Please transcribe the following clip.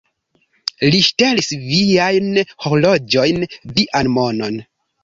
Li ŝtelis viajn horloĝojn, vian monon?